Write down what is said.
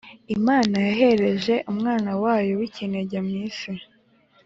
Imana yohereje Umwana wayo w ikinege mu isi